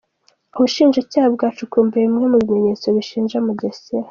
Ubushinjacyaha bwacukumbuye bimwe mu bimenyetso bishinja Mugesera